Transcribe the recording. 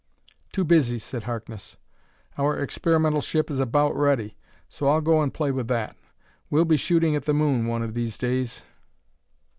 "Too busy," said Harkness. "Our experimental ship is about ready, so I'll go and play with that. We'll be shooting at the moon one of these days."